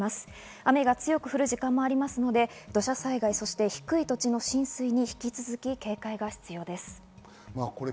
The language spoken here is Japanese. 雨が強く降る時間もありますので、土砂災害、低い土地の浸水に引き続き警戒が必要です。